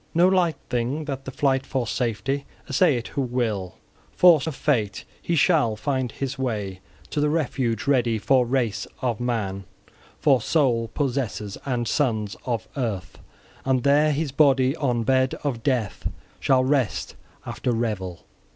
No light thing that, the flight for safety, essay it who will! Forced of fate, he shall find his way to the refuge ready for race of man, for soul possessors, and sons of earth; and there his body on bed of death shall rest after revel.